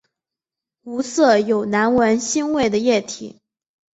无色有难闻腥味的液体。